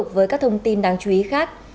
với các thông tin đáng chú ý khác